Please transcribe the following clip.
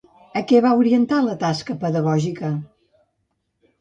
A què va orientar la tasca pedagògica?